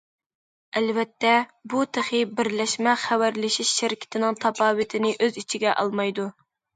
ئەلۋەتتە، بۇ تېخى بىرلەشمە خەۋەرلىشىش شىركىتىنىڭ تاپاۋىتىنى ئۆز ئىچىگە ئالمايدۇ.